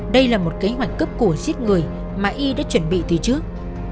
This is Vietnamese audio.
đây là một kế hoạch cấp cổ giết người mà y đã chuẩn bị từ trước